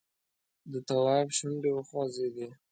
د تواب شونډې وخوځېدې!